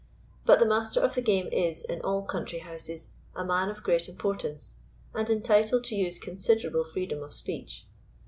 But the master of the game is, in all country houses, a man of great importance, and entitled to use considerable freedom of speech.